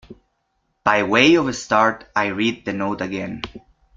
By way of a start, I read the note again.